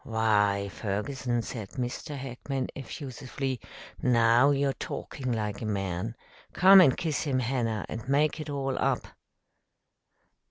"Why, Ferguson," said Mr. Hackman effusively, "now you're talking like a man. Come and kiss him, Hannah, and make it all up."